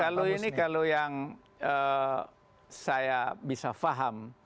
kalau ini kalau yang saya bisa faham